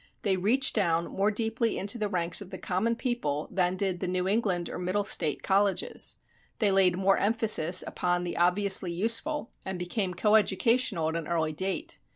They reached down more deeply into the ranks of the common people than did the New England or Middle State Colleges; they laid more emphasis upon the obviously useful, and became coëducational at an early date.